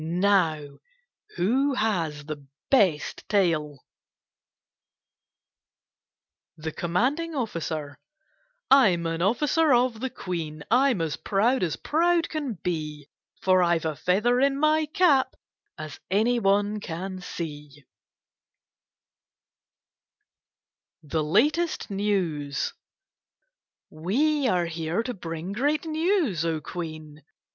Now who has the best tale ? THE COMMANDING OFFICER I 'm an officer of the Queen ; I 'm proud as proud can be, For I 've a feather in my cap, As any one can see. 24 kitte:n^8 Jlkd cats THE LATEST NEWS We are here to bring great news, O Queen